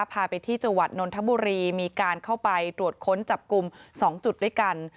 พาไปที่จังหวัดนนทบุรีมีการเข้าไปตรวจค้นจับกลุ่ม๒จุดด้วยกัน